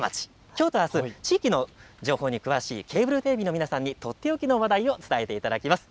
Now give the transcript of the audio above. きょうとあす地域の情報に詳しいケーブルテレビの皆さんに取って置きの話題を伝えていただきます。